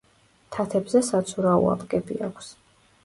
თათებზე საცურაო აპკები აქვს.